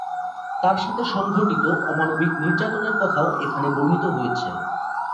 তার সাথে সংঘটিত অমানবিক নির্যাতনের কথাও এখানে বর্ণিত হয়েছে।